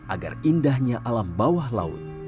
agar indahnya alam bawah laut